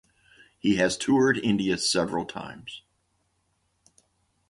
He has toured India several times.